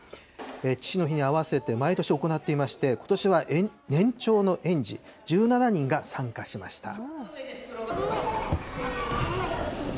父の日に合わせて毎年行っていまして、ことしは年長の園児１７人が参加しました。